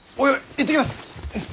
いってきます！